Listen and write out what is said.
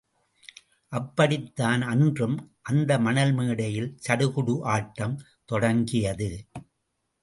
அப்படித்தான், அன்றும் அந்த மணல் மேடையில் சடுகுடு ஆட்டம் தொடங்கியது.